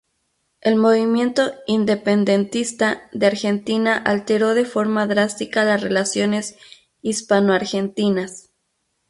El movimiento independentista de Argentina alteró de forma drástica las relaciones Hispano-argentinas.